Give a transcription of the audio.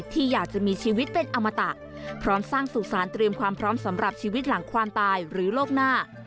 ที่อยากจะมีชีวิตเป็นอมตะพร้อมสร้างสู่สารเตรียมความพร้อมสำหรับชีวิตหลังความตายหรือโลกหน้า